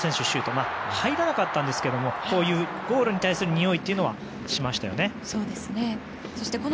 シュート入らなかったんですけどこういうゴールに対するにおいはしましたよね。